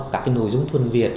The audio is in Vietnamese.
các cái nội dung thuần việt